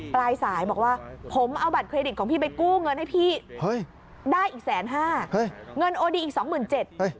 ปลายสายบอกว่าผมเอาบัตรเครดิตของพี่ไปกู้เงินให้พี่ได้อีกแสนห้าเงินโอดีอีกสองหมื่นเจ็ด